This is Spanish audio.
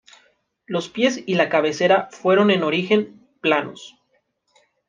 Los pies y la cabecera fueron en origen, planos.